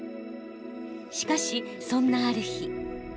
しかしそんなある日。